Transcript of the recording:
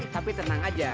tapi tenang aja